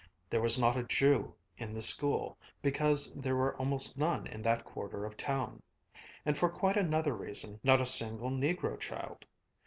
There was not a Jew in the school, because there were almost none in that quarter of town, and, for quite another reason, not a single negro child.